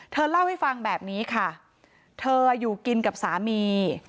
เธอเล่าให้ฟังแบบนี้ค่ะเธออยู่กินกับสามี